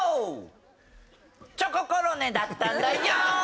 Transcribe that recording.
チョココロネだったんだよ！